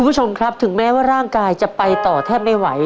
คุณผู้ชมครับถึงแม้ว่าร่างกายจะไปต่อแทบไม่ไหว